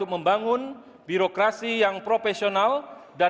ketika kita bicara